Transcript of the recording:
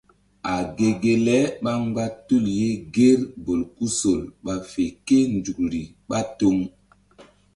A ge ge le ɓá mgba tul ye ŋger bolkusol ɓa fe kénzukri ɓá toŋ.